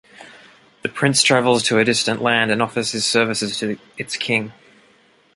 The prince travels to a distant land and offers his services to its King.